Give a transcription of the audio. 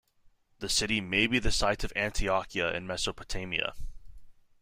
The city may be the site of Antiochia in Mesopotamia.